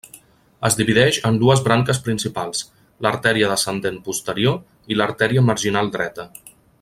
Es divideix en dues branques principals; l'artèria descendent posterior i l'artèria marginal dreta.